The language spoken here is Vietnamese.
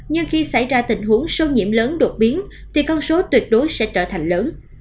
nhưng khi xảy ra tình huống sâu nhiễm lớn đột biến thì con số tuyệt đối sẽ trở thành lớn